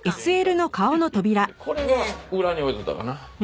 これは裏に置いとったかな。